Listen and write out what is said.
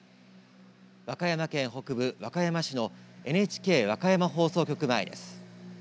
和歌山県北部、和歌山市のＮＨＫ和歌山放送局前です。